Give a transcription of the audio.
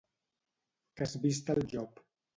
—Que has vist el llop?